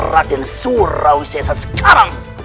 raden surawisesa sekarang